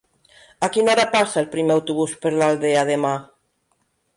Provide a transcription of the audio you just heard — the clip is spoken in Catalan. A quina hora passa el primer autobús per l'Aldea demà?